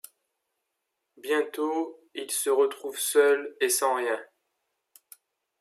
Bientôt, il se retrouve seul, et sans rien.